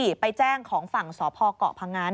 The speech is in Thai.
ที่ไปแจ้งของฝั่งสพเกาะพงัน